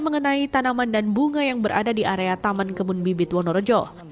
mengenai tanaman dan bunga yang berada di area taman kebun bibit wonorejo